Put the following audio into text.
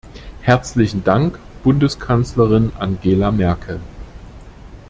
Herzlichen Dank, Bundeskanzlerin Angela Merkel!